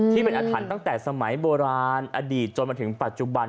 ที่เป็นอาถรรพ์ตั้งแต่สมัยโบราณอดีตจนมาถึงปัจจุบัน